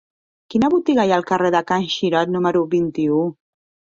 Quina botiga hi ha al carrer de Can Xirot número vint-i-u?